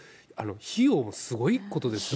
費用もすごいことですよね。